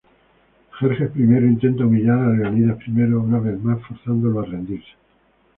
Jerjes I intenta humillar a Leónidas I una vez más forzándolo a rendirse.